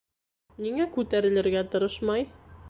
Ниңә күтәрелергә тырышмай?